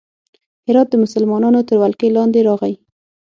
هرات د مسلمانانو تر ولکې لاندې راغی.